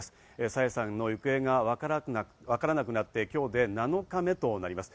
朝芽さんの行方がわからなくなって今日で７日目となります。